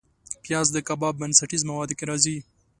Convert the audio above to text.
پیاز د کباب بنسټیز موادو کې راځي